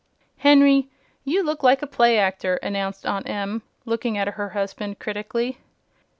"Henry, you look like a play actor," announced Aunt Em, looking at her husband critically.